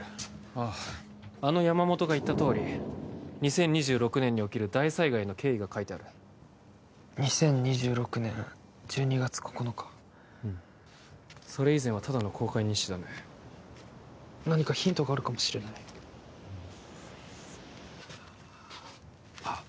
あああの山本が言ったとおり２０２６年に起きる大災害の経緯が書いてある２０２６年１２月９日うんそれ以前はただの航海日誌だね何かヒントがあるかもしれないあっ